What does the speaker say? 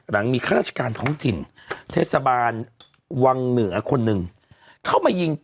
หลังมีข้าราชการท้องถิ่นเทศบาลวังเหนือคนหนึ่งเข้ามายิง